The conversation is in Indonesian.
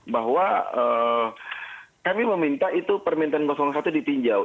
bahwa kami meminta itu permintaan satu ditinjau